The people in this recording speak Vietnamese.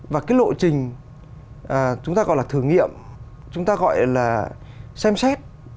và cái lộ trình cái kỳ thi này đã được tính toán rất là kỹ và được quy định trong luật giáo dục và được chính phủ đồng ý